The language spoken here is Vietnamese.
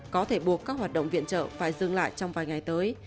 có thể buộc các hoạt động viện trợ phải dừng lại trong vài ngày tới